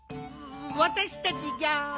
わたしたちギャ。